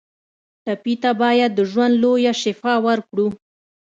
ټپي ته باید د ژوند لویه شفا ورکړو.